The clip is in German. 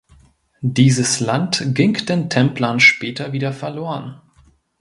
Dieses Land ging den Templern später wieder verloren.